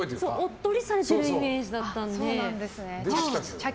おっとりされているイメージだったので。